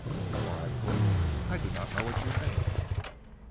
"Before I put I do not know what you mean?"